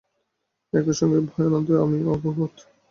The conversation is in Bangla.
একই সঙ্গে ভয় এবং আনন্দে আমি অভিভূত।